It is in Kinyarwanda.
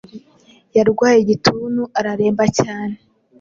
Yarwaye igituntu araremba cyane